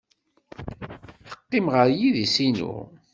Teqqim ɣer yidis-inu.